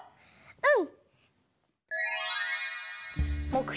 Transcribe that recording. うん！